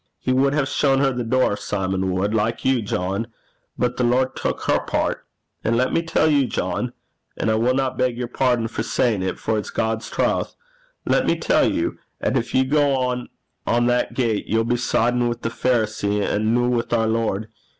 He wad hae shawn her the door Simon wad like you, John; but the Lord tuik her pairt. An' lat me tell you, John an' I winna beg yer pardon for sayin' 't, for it's God's trowth lat me tell you, 'at gin ye gang on that gait ye'll be sidin' wi' the Pharisee, an' no wi' oor Lord.